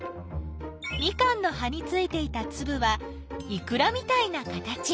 ミカンの葉についていたつぶはいくらみたいな形！